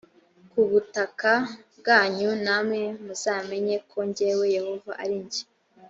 ku butaka bwanyu namwe muzamenya ko jyewe yehova ari jye